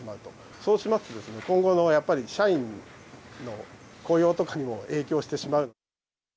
そうしますとですね、今後のやっぱり社員の雇用とかにも影響してしまう。